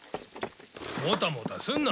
もたもたすんな！